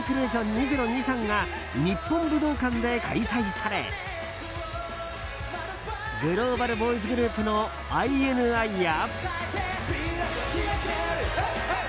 ２０２３が日本武道館で開催されグローバルボーイズグループのＩＮＩや。